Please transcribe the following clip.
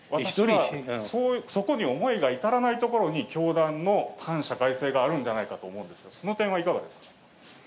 私はそこに思いが至らないところに、教団の反社会性があるんじゃないかと思うんですが、その点はいかがですか。